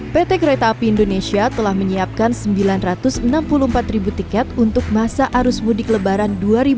pt kereta api indonesia telah menyiapkan sembilan ratus enam puluh empat ribu tiket untuk masa arus mudik lebaran dua ribu dua puluh